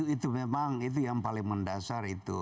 itu memang itu yang paling mendasar itu